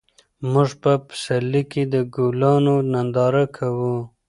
موږ په پسرلي کې د ګلانو ننداره کوو.